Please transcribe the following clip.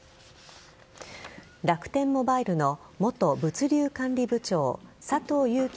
楽天モバイルの元物流管理部長佐藤友紀